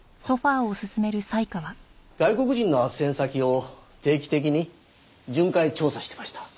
外国人の斡旋先を定期的に巡回調査してました。